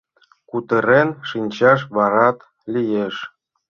— Кутырен шинчаш варат лиеш.